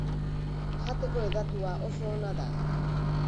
Jateko hedatua, oso ona da.